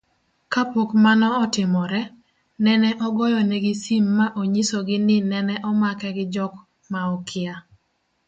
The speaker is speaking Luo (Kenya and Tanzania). kapok mano otimore, nene ogoyonegi sim maonyisogi ni nene omake gi jok maokia